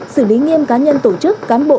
xử lý nghiêm cá nhân tổ chức cán bộ